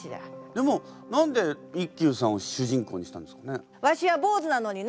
でも何で一休さんを主人公にしたんですかね？